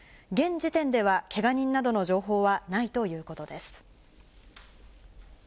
現時点ではけが人などの情報はないということです。